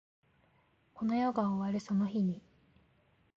この世が終わるその日に